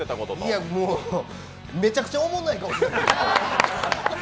いやもうめちゃくちゃおもんない顔してた。